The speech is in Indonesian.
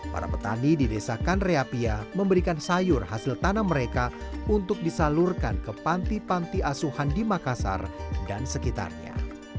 para petani di desa kanreapia memberikan sayur hasil tanam mereka untuk disalurkan ke panti panti asuhan di makassar dan sekitarnya